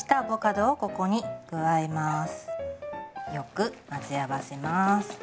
よく混ぜ合わせます。